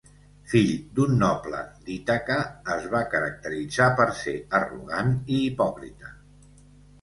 Fill d'un noble d'Ítaca, es va caracteritzar per ser arrogant i hipòcrita.